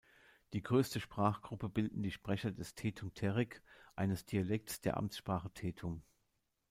Die größte Sprachgruppe bilden die Sprecher des Tetum Terik, eines Dialekts der Amtssprache Tetum.